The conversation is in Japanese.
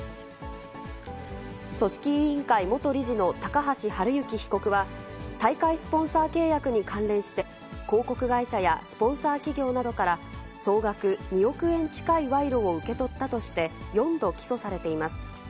組織委員会元理事の高橋治之被告は、大会スポンサー契約に関連して、広告会社やスポンサー企業などから、総額２億円近い賄賂を受け取ったとして、４度起訴されています。